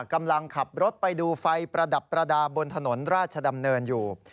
กำลังขับรถไปดูไฟประดับประดาษบนถนนราชดำเนินอยู่